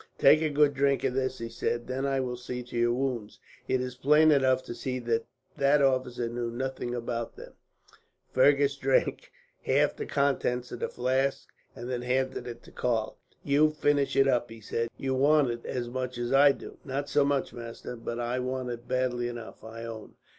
"Take a good drink of this," he said, "then I will see to your wounds. It is plain enough to see that that officer knew nothing about them." Fergus drank half of the contents of the flask, and then handed it to Karl. "You finish it up," he said. "You want it as much as I do." "Not so much, master; but I want it badly enough, I own."